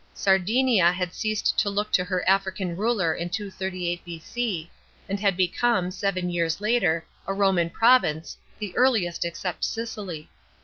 Sardinia had ceased to look to her African ruler in 238 B.C., and had become, seven years later, a Roman province, the earliest except Sicily.